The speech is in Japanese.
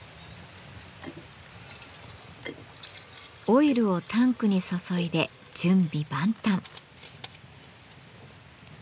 オイルをタンクに注いで準備万端。